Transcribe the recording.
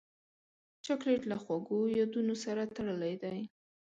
چاکلېټ له خوږو یادونو سره تړلی دی.